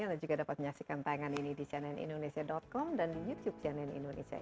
anda juga dapat menyaksikan tayangan ini di channel ini